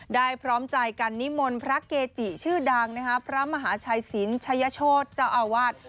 พร้อมใจกันนิมนต์พระเกจิชื่อดังพระมหาชัยศิลป์ชัยโชธเจ้าอาวาส